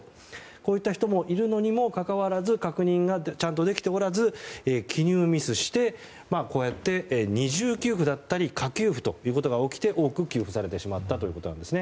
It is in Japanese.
こういった人もいるのにもかかわらず確認がちゃんとできておらず記入ミスしてこうやって二重給付だったり過給付ということが起きて多く給付されてしまったということです。